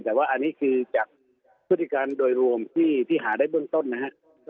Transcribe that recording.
แต่ว่าอันนี้คือจากพฤติการโดยรวมที่หาได้เบื้องต้นนะครับ